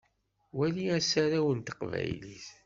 Wali asaraw n teqbaylit.